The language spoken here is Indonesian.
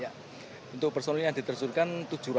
ya untuk personil yang diterjunkan